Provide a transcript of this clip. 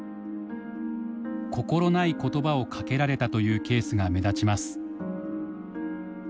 心ない言葉をかけられたというケースが目立ちます。